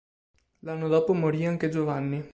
L'anno dopo morì anche Giovanni.